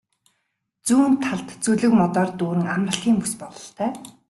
Зүүн талд зүлэг модоор дүүрэн амралтын бүс бололтой.